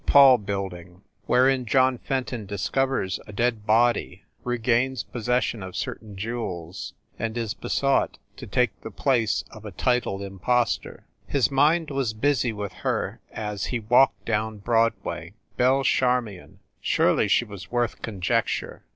PAUL BUILDING WHEREIN JOHN FENTON DISCOVERS A DEAD BODY, REGAINS POSSESSION OF CERTAIN JEWELS, AND IS BESOUGHT TO TAKE THE PLACE OF A TITLED IMPOSTOR HIS mind was busy with her, as he walked down Broadway. Belle Charmion! Surely she was worth conjecture.